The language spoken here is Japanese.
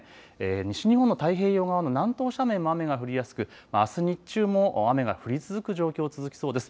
西日本の太平洋側南東斜面も雨が降りやすくあす日中も雨が降り続く状況、続きそうです。